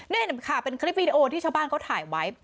นี่ค่ะเป็นคลิปวีดีโอที่ชาวบ้านเขาถ่ายไว้